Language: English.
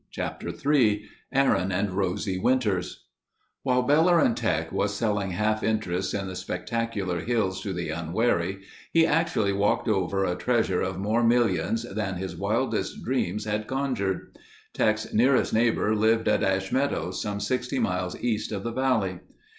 Chapter III Aaron and Rosie Winters While Bellerin' Teck was selling half interests in the spectacular hills to the unwary, he actually walked over a treasure of more millions than his wildest dreams had conjured. Teck's nearest neighbor lived at Ash Meadows about 60 miles east of the valley.